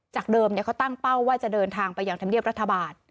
เดิมเขาตั้งเป้าว่าจะเดินทางไปยังธรรมเนียบรัฐบาล